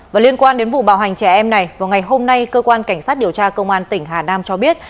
và liên quan đến vụ bạo hành trẻ em này vào ngày hôm nay cơ quan cảnh sát điều tra công an tỉnh hà nam cho biết